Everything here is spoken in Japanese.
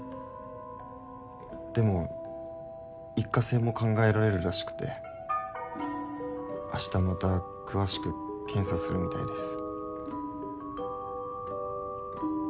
でも一過性も考えられるらしくて明日また詳しく検査するみたいです。